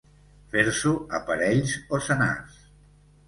Fer-s'ho a parells o senars.